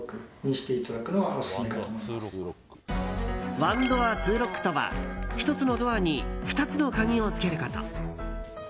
ワンドア・ツーロックとは１つのドアに２つの鍵をつけること。